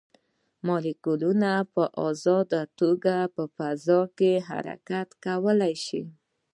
مالیکولونه په ازاده توګه په فضا کې حرکت کولی شي.